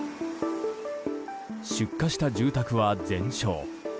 出火した住宅は全焼。